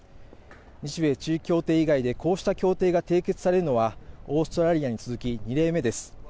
日米地位協定以外でこうした協定が締結されるのはオーストラリアに続き、２例目です。